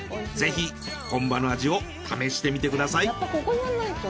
ぜひ本場の味を試してみてください。